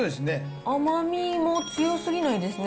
甘みも強すぎないですね。